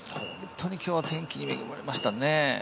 本当に今日は天気に恵まれましたね。